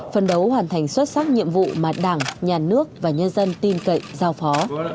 phân đấu hoàn thành xuất sắc nhiệm vụ mà đảng nhà nước và nhân dân tin cậy giao phó